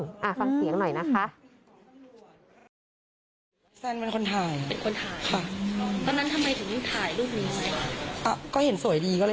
อ่าฟังเสียงหน่อยนะคะ